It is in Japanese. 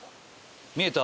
見えた？